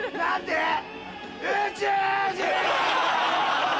宇宙人！